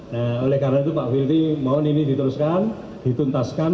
nah oleh karena itu pak filti mohon ini diteruskan dituntaskan